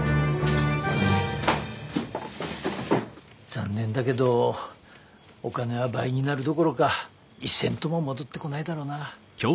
残念だけどお金は倍になるどころか１セントも戻ってこないだろうな。